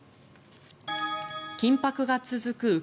緊迫が続く